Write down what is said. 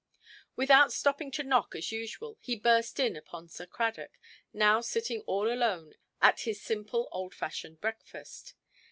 Without stopping to knock as usual, he burst in upon Sir Cradock, now sitting all alone at his simple, old–fashioned breakfast.